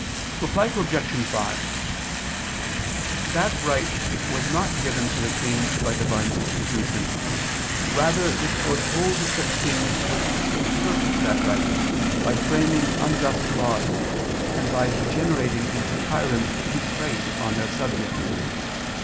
Reply Obj. 5: That right was not given to the king by Divine institution: rather was it foretold that kings would usurp that right, by framing unjust laws, and by degenerating into tyrants who preyed on their subjects.